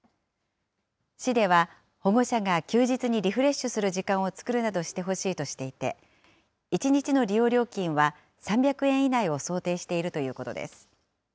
市では保護者が休日にリフレッシュする時間を作るなどしてほしいとしていて、１日の利用料金は３００円以内を想定しているということです。